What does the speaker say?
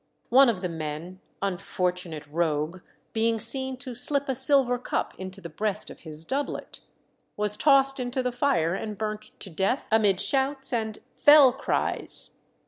One of the men unfortunate rogue! being seen to slip a silver cup into the breast of his doublet, was tossed into the fire and burnt to death, amid shouts and "fell cries."